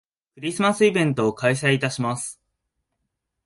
クリスマスイベントを開催いたします